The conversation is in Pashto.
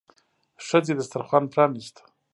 ښځې دسترخوان پرانيست.